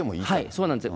そうなんです。